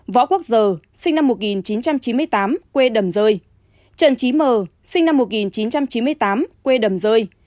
võ quốc giờ sinh năm một nghìn chín trăm chín mươi tám quê đầm rơi trần trí mờ sinh năm một nghìn chín trăm chín mươi tám quê đầm rơi